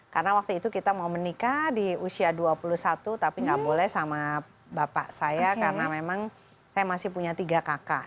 karena waktu itu kita mau menikah di usia dua puluh satu tapi gak boleh sama bapak saya karena memang saya masih punya tiga kakak